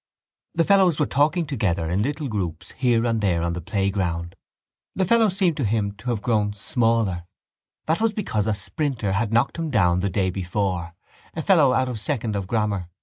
The fellows were talking together in little groups here and there on the playground. The fellows seemed to him to have grown smaller: that was because a sprinter had knocked him down the day before, a fellow out of second of grammar.